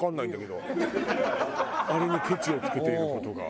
あれにケチを付けている事が。